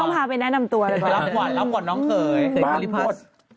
รับหวั่นรับหวั่นน้องเขย